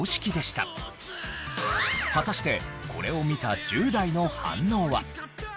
果たしてこれを見た１０代の反応は？